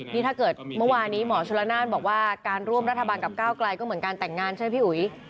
นี่ถ้าเกิดเมื่อวานี้หมอชลนานบอกว่าการร่วมรัฐบาลกับก้าวไกลก็เหมือนการแต่งงานใช่ไหมพี่อุ๋ย